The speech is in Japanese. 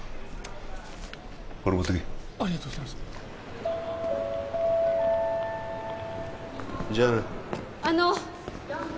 これ持ってけありがとうございますじゃあなあの！